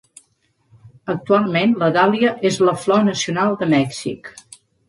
Actualment la dàlia és la flor nacional del Mèxic.